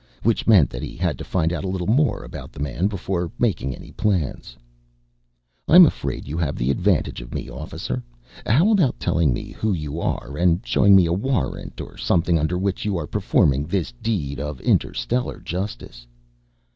Which meant that he had to find out a little more about the man before making any plans. "I'm afraid you have the advantage of me, officer. How about telling me who you are and showing me a warrant or something under which you are performing this deed of interstellar justice."